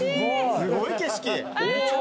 すごい景色。